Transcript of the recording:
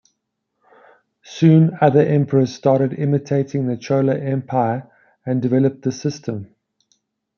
Soon other emperors started imitating the Chola empire and developed the system.